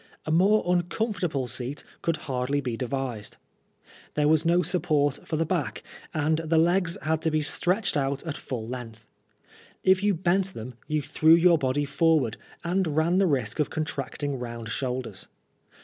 A more uncomfortable seat could hardly be devised. There was no support for the back, and the legs had to be stretched out at full length. If you bent them you threw your body forward, and ran the risk of contracting round shoulders.